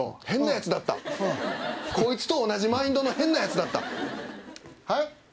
変なやつだったこいつと同じマインドの変なやつだったはい？